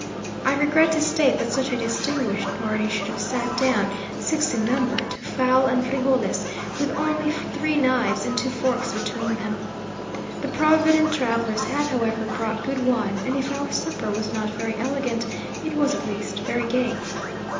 I regret to state that such a distinguished party should have sat down, six in number, to fowl and frijoles, with only three knives and two forks between them. The provident travellers had, however, brought good wine; and if our supper was not very elegant, it was at least very gay.